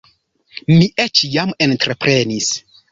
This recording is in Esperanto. Mi eĉ jam entreprenis.